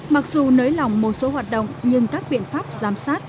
mặc dù nới lỏng một số hoạt động nhưng các biện pháp giám sát